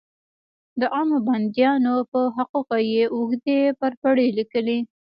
د عامو بندیانو په حقوقو یې اوږدې پرپړې لیکلې.